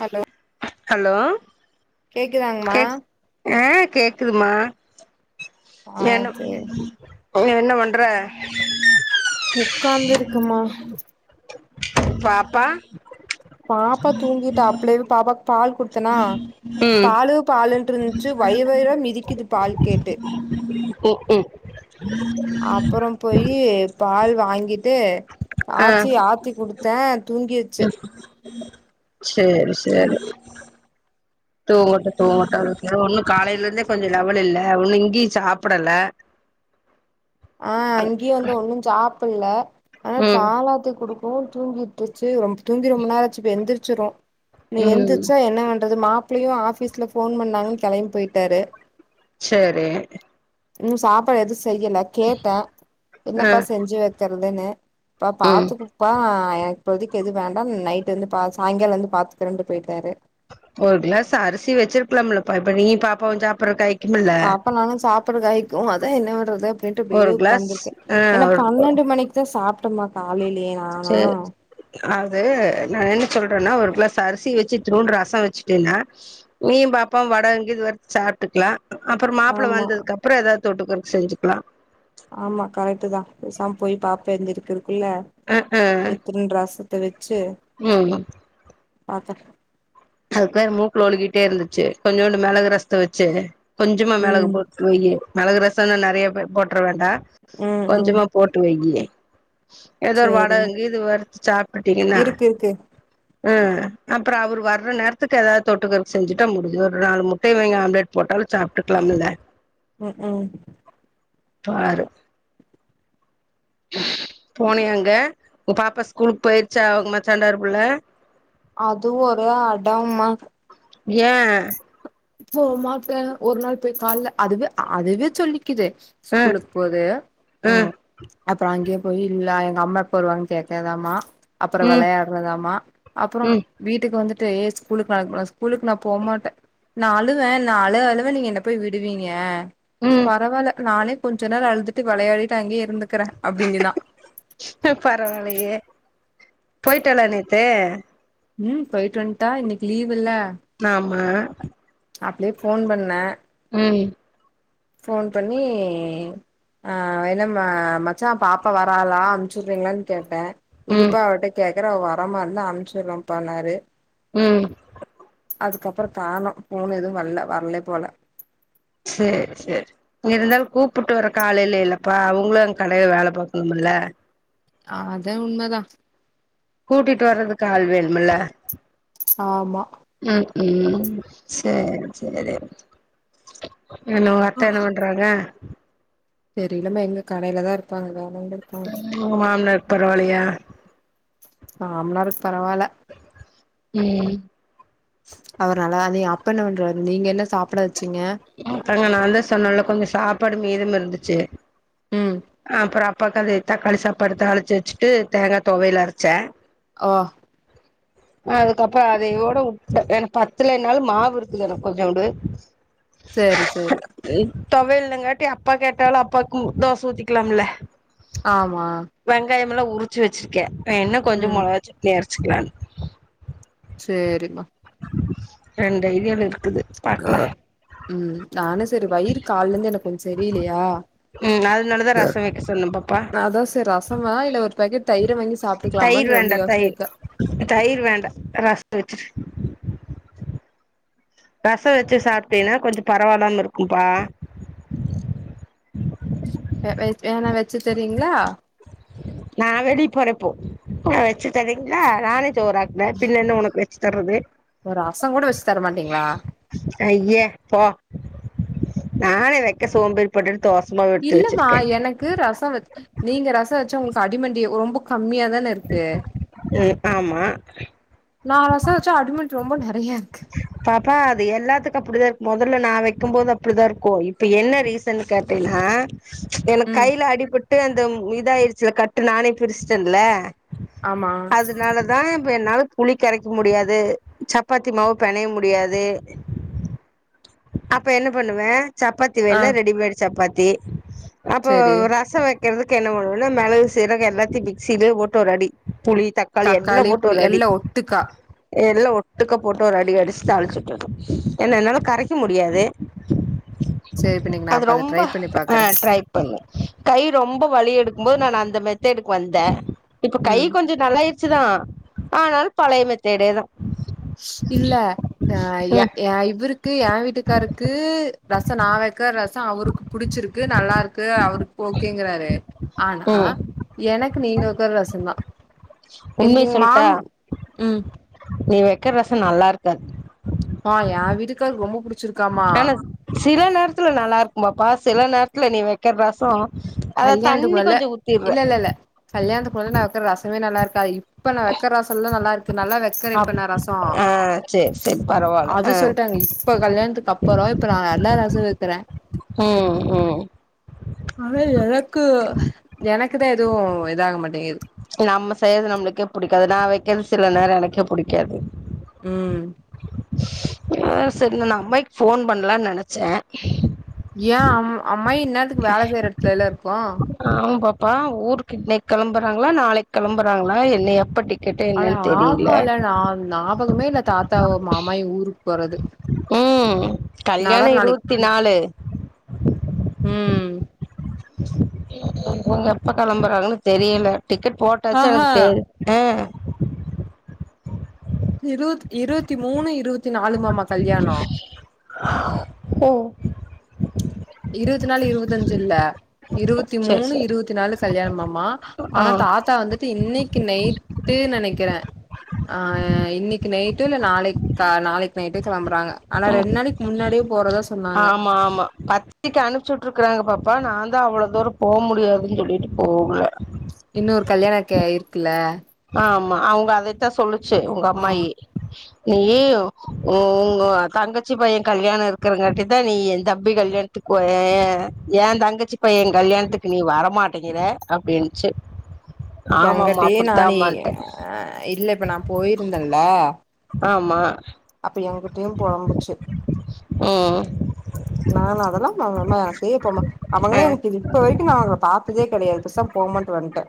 hello hello கேக்குதாங்மா கேக் ஆ என்ன சேரி ப் என்ன பண்ற [inaudible] உக்காந்துருக்குமா பாப்பா பாப்பா தூங்கிட்டா அப்பிலேவே பாப்பாவுக்கு பால் குடுத்தேனா ம் பாலு பாலுன்று ருந்துச்சி வயிறு வயிறுவ மிதிக்குது பால் கேட்டு ம் ம் அப்பற போயி பால் வாங்கிட்டு ஆ ஆச்சி ஆத்தி குடுத் த தூங்கியது சேரி சேரி தூங்கட்டு தூங்கட்டு ஒண்ணு காலேல இருந்தே கொஞ்ச லெவல் இல்ல ஒன்னு இங்கியு சாப்படல ஆ இங்கையு வந்து ஒன்னு சாப்புல்ல அதனால ம் பாலாத்தி குடுக் இப்போவு தூங்கிட்றிச்சி ரொம்ப தூங்கி ரொம்ப நேர ஆச்சி இப்ப எந்திரிச்சிரு இனி ம் எந்துச்சா என்ன பண்றது மாப்பிள்ளையு ஆபீஸ்ல ஃபோன் பண்ணாங்கன்னு கெளம்பி போயிட்டாரு செரி ம் சாப்பாடு எதும் செய்யல கேட்டே ஆ என்னப்பா செஞ்சி வக்கிறதுன்னு பா ம் பாத்துகோ ப்பா எனக்கு இப்போதைக்கு எது வேண்டா நைட் வந்து பா சாயங்கால வந்து பாத்துகிறேன்ட்டு போயிட்டாரு ஒரு க்ளாஸ் அரிசி வச்சிருக்கலாம் இல்லப்பா இப்ப நீ பாப்பவு சாப்புறு காய் பாப்பா நானு சாப்பிட கய்க்கு அதே என்ன பண்றது அப்டின்ட்டு பே ஒரு கிளாஸ் உக்காந்துருக்கே ஆ என்னா ஒரு பண்ணெண்டு மணிக் த சாப்ட்டோமா காலைலே நா ச்சே அது நா என்ன சொல்றேன்னா ஒரு க்ளாஸ் அரிசி வச்சி இத்துளுண்டு ரச வெச்சிட்டில்ல நீயும் பாப்பவும் வடங்கிது வறுத் சாப்ட்டுக்லா அப்ற மாப்ள ஆமா வந்ததுக்கு அப்புறம் ஏதாவ் தொட்டுக்குற் செஞ்சிக்லா ஆமா கரெக்ட்டு தா பேசாம் போய் பாப்பா எந்திரிக்கறுக்குள்ள அ அ எத்துலுண் ரசத்த வெச்சு ம் பாத்த அதுக்வ மூக்குல ஒழுகிட்டே இருந்துச்சி கொஞ்சூண்டு மெளகு ரசத்த வெச்சி கொஞ்சமா மெளகு ம் போட்டு மொய்யே மெளகு ரசன்னா நெறையபே போட்ற வேண்டா ம் ம் கொஞ்சமா போட்டு வைய்யி ஏதோ ஒரு சேரிம்மா வாடகங்கு இது வறுத்து சாப்பிட்டீங்கன்னா இருக்கு இருக்கு அ அப்ற அவர் வர் இர்ர நேரத்துக்கு ஏதாவ் தொட்டுக்கற் செஞ்சிட்டா முடிஞ்சி ஒர் நாலு முட்டை வாங்க ஆம்லெட் போட்டாலு சாப்ட்டுக்கலாம் இல்ல ம் ம் பாரு போனிய அங்க உ பாப்பா ஸ்கூலுக் போயிர்ச்சா அவுங் மச்சான்டாரு புள்ள அது ஒரே அடம்மா ஏ போ மாட்டே ஒரு நாள் போய் கால்ல அதுவே அ அதுவே சொல்லிக்கிதே அ ஸ்கூலுக் போது அ ம் அப்ற அங்க்யே போயி இல்ல எங்க அம்மா எப்ப வருவாங் கேக்கதாமா அப்பற ம் விளையாட்றதாம அப்புறோ ம் வீட்டுக்கு வந்துட்டு ஏ ஸ்கூலுக்கு நாளுக் போலா ஸ்கூலுக்கு நா போமாட்டே நா அழுவே நா அழு அழுவே நீங்க என்ன போய் விடுவீங்க ம் பரவால்ல நாலே கொஞ்ச நேர அழுதுட்டு விளையாடிட்டு அங்கே இருந்துக்குறே அப்டிங்குதா பு பரவாலையே போய்ட்டாள நேத்து ம் போய்ட்டு வந்ட்டா இன்னிக்கு லீவ் இல்ல நாம அப்ளே ஃபோன் பண்ண ம் ஃபோன் பண்ணி ஆ என்ன ம மச்சா பாப்பா வராலா அம்ச்சுவுர்றீங்ளான் கேட்டே ம் இருப்பா அவட்ட கேக்குறே அவ வரமாற்னா அம்ச்சுர்றேப்பானாறு ம் அதுக்கப்பற் காணோ ஃபோண் எது வல்ல வரலே போல சேர் சேர் இருந்தாலு கூப்புட்டு வரக்காளேலே இல்லப்பா உங்ளுன் கடைல வேல பாக்கணுமுல்ல ஆத உண்மதா கூட்டிட்டு வர்றதுக்கு ஆள் வேணுமில்ல ஆமா ம் ம் சேர் சேரி என்ன உ அத்த என்ன பண்றாங்க தெரிலமே எங்க கடய்லதா இருப்பாங்க வேற எங்க இருப்பாங் ஒங்க மாமனார்க்கு பரவாலயா மாமனாருக்கு பரவால்ல ம் அவர் நல்லாதே அப்ப என்ன பண்றாரு நீங்க என்ன சாப்புட வச்சீங்க க்காங்க நா தா சொன்னேல கொஞ்ச சாப்பாடு மீதம் இருந்துச்சு ம் அப்ற அப்பாக்கு அந்தது தக்காளி சாப்பாடு தாளிச்சு வச்சுட்டு தேங்கா தொவயல் அரச்சே ஓ அதுக்கப்பற அத இதோட வுட்டே எனக்கு பத்தலைனாலு மாவு இருக்குல எனக்கு கொஞ்சோண்டு செரி செரி இப்பவே இல்லங்காட்டி அப்பா கேட்டாலு அப்பாக்கும் தோச ஊத்திக்லாம்ல ஆமா வெங்காயமெல்லா உரிச்சு வெச்சிருக்கே வேணுனா கொஞ்சோ ம் மொளகா சட்னி அரச்சுக்லான்னு சேரிமா ரெண்டு ஐடியாவுல இருக்குது பாக்கலா ம் நானு செரி வயிறு கால்லருந்து எனக்கு கொஞ்ச செரியில்லையா நா அதுனால தா ரச வெக்க சொன்னே எ பாப்பா செரி ரசமா இல்ல ஒரு பாக்கெட் தயிர வாங்கி தயிர் சாப்ட்டுக்கலாமான்னு ரெண்டு வேண்டா யோசன தயிர் இருக்கு தயிர் வேண்டா ரச வச்சுரு ரச வச்சு சாப்ட்டீனா கொஞ்ச பரவால்லாம இருக்கும்பா அ [inaudible] வேணா வச்சு தரீங்ளா நா வெளிய போறே இப்போ ஆ வச்சு தரீங்ளா நானே சோறாக்குனா பின்ன என்ன ஒனக்கு வச்சு தர்றது ஒரு ரச கூட வச்சு தர மாட்டீங்ளா ஐய்ய போ நானே வெக்க சோம்பேறி பட்டுட்டு தோச மாவு எடுத்து இல்லமா வச்சிருக்கே எனக்கு ரச வச் நீங்க ரச வச்சா உங்களுக்கு அடிமண்டி ரொம்ப கம்மியா தான இருக்கு ம் ஆமா நா ரச வெச்சா அடி மண்டி ரொம்ப நெறையா இருக்கு பாப்பா அது எல்லாத்துக்கு அப்டிதா இருக்கு மொதல்ல நா வைக்கும்போது அப்டிதா இருக்கு இப்ப என்ன ரீச சன் கேட்டைனா எனக்கு ம் கைல அடிபட்டு அந்தம் இதாய்ருச்சுல கட்டு நானே பிரிச்சுட்டன்ல ஆமா அதுனாலதா இப்ப என்னால புளி கரைக்க முடியாது சப்பாத்தி மாவு பெனைய முடியாது அப்ப என்ன பண்ணுவே சப்பாத்தி ஆ வேணா ரெடிமேட் சப்பாத்தி அப்ப செரி ரச வெக் க்கறதுக்கு என்ன பண்ணனுனா மெளகு சீரக எல்லாத்தையு மிக்ஸ்சிலே போட்டு ஒரு அடி புளி தக் காளி எல்லா தக்காளி போட்டு புளி ஒரு ‌அடி எல்லா ஒட்டுக்கா எல்லா ஒட்டுக்கா போட்டு ட்டு ஒரு அடி அடிச்சுட்டு தாளிச்சுவிட்றனு ஏனா என்னால கரைக்க முடியாது செரி இப்ப இன்னைக்கு நா அது அப்ப அத ரொம்ப ட்ரை பண்ணி ஆ பாக்குறே ட்ரை கை ரொம்ப வழி எடுக்கும் போது நானு அந்த மெத்தடுக்கு வந்தே இப்ப கை ம் கொஞ்ச நல்லாயிருச்சுதா ஆனாலு பழைய மெத்தடேதா இல்ல ஆ எ ம் எ இவருக்கு எ வீட்டுக்காருக்கு ரச நா வ க்க ரச அவருக்கு புடிச்சிருக்கு நல்லா இருக்கு அவருக்கு ஓகேங்றாரு ஆனா ம் எனக்கு நீங்க வெக்குற ரசந்தா எனக்கு உண்மைய எங்க சொல்ட்டா மாம் ம் நீ வெக்கிற ரச நல்லா இருக்காது ஆஹ் என் வீட்டுக்கார் ரொம்ப புடிச் ஆனா சில நேரத்துல நல்லா இருக்குமாப்பா சில நேரத்துல நீ வெக்கற ரசோ அத கல்யாணத்துக்கு தண்ணி முன்னால கொஞ்சோ ஊத்திற்றே இல்ல இல்ல இல்ல கல்யாணத்துக்கு முன்ன நா வெக்கற ரசமே நல்லா இருக்காது இப்ப நா வெக்கற ரசோல்லா நல்லா இருக்கு நல்லா வெக்கர இப்ப அப் நா ரசோ ஆ சேரி சேரி பரவால்ல அது ஆ சொல்ட்டாங்க இப்ப கல்யாணத்துக்கு அப்பறோ இப்ப நா நல்லா ரசோவெக்கறே ம் ம் மே எனக்கு எனக்கு தா எதுவு இதாக மாட்டேங்குது நம்ம செய்யறது நம்ளுக்கே புடிக்காது நா வெக்கிறது சில நேரோ எனக்கே புடிக்காது ம் ஆஹ் சரி நானு அம்மாய்க் போன் பண்லான் நெனச்சே ஏ அம் அம்மாயி இன்னேறத்துக்கு வேல செய்யற எடத்துலல இருக்கும் ஆமா பாப்பா ஊருக்கு இன்னைக்கு கிளம்புறாங்களா நாளைக்கு கிளம்புறாங்களா என்னை எப்ப டிக் அட ஆமால நா ஞாபகமே இல்ல தாத்தாவு மா அம்மாயு ஊருக்கு போறது ம் நா வேற கல்யாணம் நாளைக் இருவத்தி நாலு ம் இவுங்க எப்பா கெளம்புறாங்கன்னு தெரியல டிக்கெட் போட்டாச்சு ஆஹா எனக்கு தெர் ஆஹ் இரு இருவத்தி மூணு இருவத் ஓ இருவத் நாலு இருவத்தஞ்சு இல்ல இருவத்தி சரி மூணு சரி இருவத்தி நாலு கல்யாணம்மாமா ஆ ஆனா தாத் தா வந்துட்டு இன்னைக்கு நைட்டே நெனைக்கிறே ஆஹ் இன்னிக்கு நைட் டு நாளைக் கா நாளைக்கு நைட்டே கெளம்பறாங்க ஆனா ரெண்டு நாளைக்கு முன்னாடியே போறதா சொன்னாங்க ஆமா ஆமா பாத் திக்கி அனுப்பிச்சுட்டுருக்கறாங்க பாப்பா நாந்தா அவ்ளோ தூரோ போ முடியாதுன்னு சொல்லிட்டு போகல இன்னொரு கல்யாணோ கே இருக்குல்ல ஆமா அவங்க அதைத்தா சொல்லுச்சு உங்க ஆ அம்மாயி எய்யய்யோ உ உங்க தங்கச்சி பையன் கல்யாணோ இருக்கறங்காட்டி தா நீ என் தம்பி கல்யாண் க்கோயே என் தங்கச்சிக் பைய கல்யாணத்துக்கு நீ வரமாட்டேங்கிற அப்டின்னுச்சு ஆமாமா அப்டி நானே ஆஹ் இல்ல இப்ப நா போயிருந்தல்ல ஆமா பொழம்புச்சு ம் நான் அதெல்லா மா அம்மா அப்டியே இருப்போமா ஆ அவங்களே எனக்கு இப்ப வரைக்கும் நா அவங்கள பாத்ததே கெடையாது போசாம்போன்ட்டு வந்ட்டே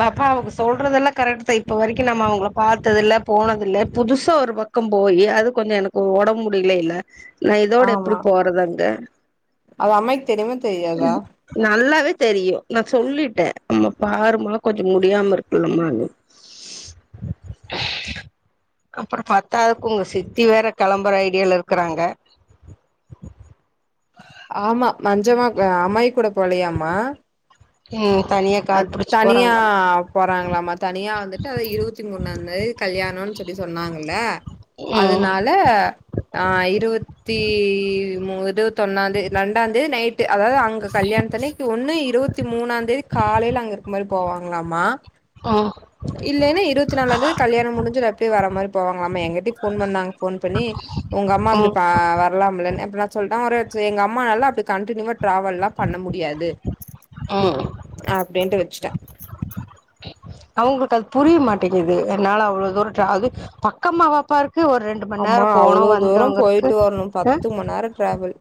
பாப்பா அவங்க சொல்றதெல்லா கரெக்ட் தா இப்ப வரைக்கும் நம்ம அவங்கள பாத்ததுல்ல போனது இல்ல புதுசா ஒரு பக் கம் போயி அது கொஞ்சம் எனக்கு வொடம் முடியல இல்ல நா இதோட எப்டி ஆமா போறதங்க அது அம்மாய்க்கு தெரியுமா தெரியாதா நல்லாவே தெரியும் நா சொல்லிட்டே அம்மா பாருமா கொஞ்சோ முடியாம இருக்குல்லமா எனக் அப்புறம் பத்தாவதுக்கு உங்க சித்தி வேற கெளம்பற ஐடியால இருக்கறாங்க ஆமா மஞ்சமா அம்மாயி கூட போலயாமா ம் தனியா அ கார் புடிச்சு தனியா போறாங்களாமா போறாங்களாமா தனியா வந்துட்டு அது இருவத்தி மூணாந்தே கல்யாணோனு சொல்லி சொன்னாங்கள்ல ம் அதனால் ல இருவத்தி மு இருவத்தொன்னாதே ரெண்டா தேதி நைட் அதாவது அங்க கல்யாணத்தன்னிக்கு ஒன்னு இருவத்தி மூணா தேதி காலையில அங்க இருக்க மாரி போவாங்களாமா அ இல்லைன்னா இருவத்தி நாலாந்தேதி கல்யாண முடிஞ்சது அப்டே வர மாரி போவாங்களலாமா எங்கிட்டய் ஃபோன் பண்ணாங்க ஃபோன் பண்ணி உங்க அம்மா அப்டி ம் ப வரலாம்லன்னு எப்பன்னா சொல்ட்டா ஒரு எங்க அம்மாஅல்ல அப்டி கண்டினியூவா டிராவல்லா பண்ண முடியாது ம் அப்டின்ட்டு வச்சுட்ட அவுங்களுக்கு அது புரிய மாட்டேங்குது என்னால அவ்ளோ தூரோ ட்ரா அது பக்கமாவாப்ப இருக்கு ஒரு ரெண்டு மண் அம்மா நேரோ போனோ வந்தோங்றக்கு ஆ ண டிராவல்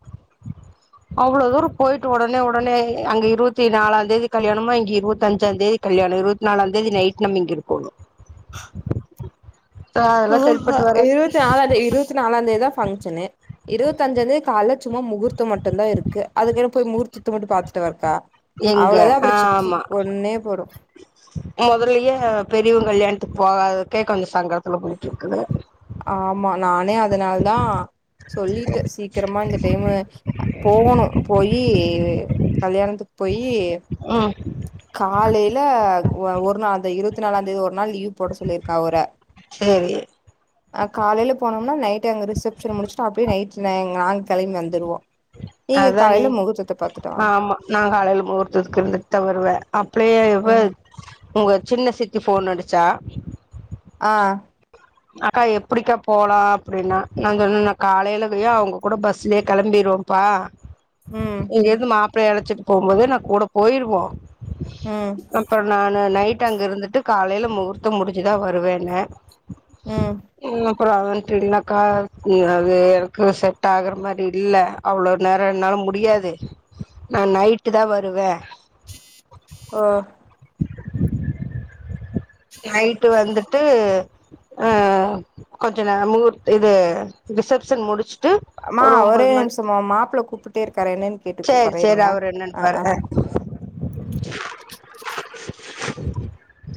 அவ்ளோ தூரோ போய்ட்டு ஒடனே ஒடனே அங்க இருவத்தி நாலா தேதி கல்யாணமா இங்க இரவத்தஞ்சா தேதி கல்யாணோ இரவத் நாலாந்தேதி நைட் நம் இங் இருக்கோணு அதெல்லா ஆஹா சரிப்பட்டு வராது இரவத்தி நாலாதேதி இரவத்தி நாலாந்தேதி தா ஃங்க்ஷனு இருவத்தஞ்சாந்தேதி கால்ல சும்மா முகூர்த்தம் மட்டுதா இருக்கு அதுக்கென்ன போய் முகூர்த்தத்த மட்டு பாத்துட்டு வரட்டா எங்க அவ்ளதா அப்றோ சித்தி கொன்னே போடு மொதல்லயே பெரியவ கல்யாணத்துக்கு போகாதுக்கே கொஞ்ச சங்கரத்துல போயிட்டுருக்குது ஆமா நானே அதனால தா சொல்லிட்ட சீக்கிரமா இந்த டைமு போவணு போயி கல்யாணத்துக்கு போயி ம் காலையில ஒரு நாள் அந்த இருவத்தி நாலாந்தேதி ஒரு நாள் லீவ் போட சொல்லியிருக்கா அவர சேரி காலைல போனோம்னா நைட்டு அங்க ரிசப்ஷன் முடிச்சுட்டு அப்டே நைட் நாங்க கெளம்பி வந்துருவோ நீங்க அதானே காலைல முகூர்தத்து ஆமா நா காலைல முகூர்த்ததுக்கு இருந்துட்டு தா வருவ அப்ளே இவ ம் உங்க சின்ன சித்தி ஃபோன் அடிச்சா அஹ் அக்கா எப்டிக்கா போலா அப்டின்னா நா சொன்ன காலையிலயோ அவுங்க கூட பஸ்லே கெளம்பிருவ பா ம் இங்கேருந்து மாப்ளைய அழைச்சிட்டு போகும்போதே நா கூட போயிருவோ ம் அப்ப நானு நைட் அங்க இருந்துட்டு காலையில முகூர்த்தம் முடிஞ்சுதா வருவேன்ன ம் ம் அப்பறோ வன்ட்டு என்னாக்கா அது எனக்கு செட் ஆகுற மாரி இல்ல அவ்ளோ நேரோ என்னால முடியாது நா நைட்டு தா வருவ அ நைட்டு வந்துட் டு அ கொஞ்ச நே முகூர் இது ரிசப்ஷன் முடிச் ம் அம்மா ஒரு ஒரே ஒம்பது மணி நிமிஷமா மாப்ள கூப்டுட்டே இருக்காரு என்னன்னு கேட்டு சேரி கூப்பட்றே சேரி இருங்க அவர் ஆ ஆ என்னன்னுப்பாரு அ